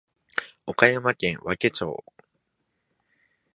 岡山県和気町